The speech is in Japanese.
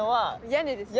屋根ですね。